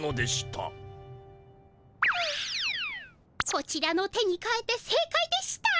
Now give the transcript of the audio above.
こちらの手にかえて正解でした。